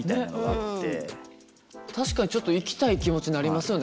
確かにちょっと行きたい気持ちになりますよね。